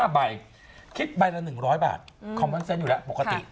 ๕ใบคิดใบละ๑๐๐บาทคอมวอนเซนต์อยู่แล้วปกติ